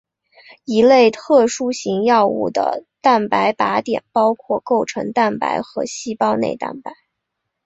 一些特殊类型药物的蛋白靶点包括结构蛋白和细胞内蛋白。